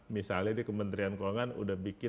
misalnya di kementerian keuangan udah bikin